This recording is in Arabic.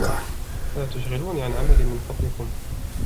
لا تشغلوني عن عملي من فضلكم